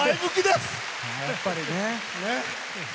やっぱりね。